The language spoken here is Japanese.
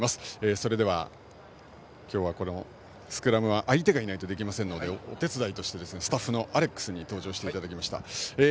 それでは、今日はこのスクラムは相手がいないと、できませんのでお手伝いとしてスタッフのアレックスに登場していただきました。